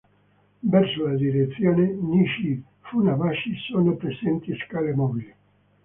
Verso la direzione Nishi-Funabashi sono presenti scale mobili.